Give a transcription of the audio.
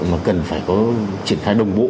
mà cần phải có triển khai đồng bộ